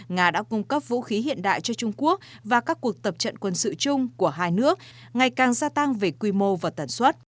nga đã cung cấp vũ khí hiện đại cho trung quốc và các cuộc tập trận quân sự chung của hai nước ngày càng gia tăng về quy mô và tần suất